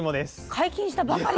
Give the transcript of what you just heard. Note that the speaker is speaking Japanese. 解禁したばかりだ。